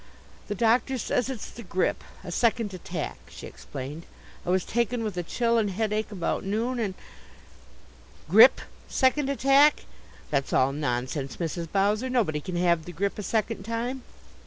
"The doctor says it's the grip a second attack," she explained. "I was taken with a chill and headache about noon and " "Grip? Second attack? That's all nonsense, Mrs. Bowser! Nobody can have the grip a second time."